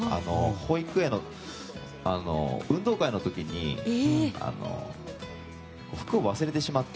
保育園の運動会の時に服を忘れてしまって。